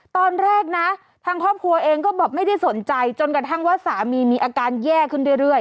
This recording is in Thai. ตอนแรกนะทางครอบครัวเองก็บอกไม่ได้สนใจจนกระทั่งว่าสามีมีอาการแย่ขึ้นเรื่อย